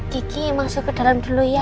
gigi masuk ke dalam dulu ya